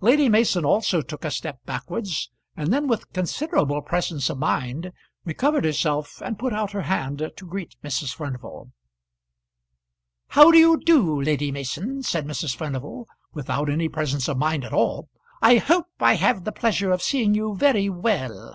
Lady Mason also took a step backwards, and then with considerable presence of mind recovered herself and put out her hand to greet Mrs. Furnival. "How do you do, Lady Mason?" said Mrs. Furnival, without any presence of mind at all. "I hope I have the pleasure of seeing you very well.